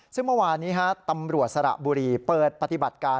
ซึ่งเมื่อวานนี้ตำรวจสระบุรีเปิดปฏิบัติการ